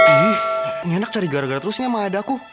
ih ngenak cari gara gara terusnya sama aida aku